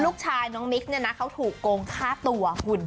ลูกชายน้องมิคเขาถูกโกงค่าตัว